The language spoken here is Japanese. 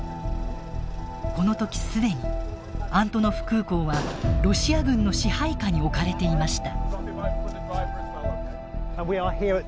この時既にアントノフ空港はロシア軍の支配下に置かれていました。